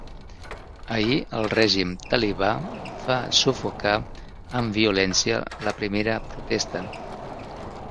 Ahir, el règim talibà va sufocar amb violència la primera protesta.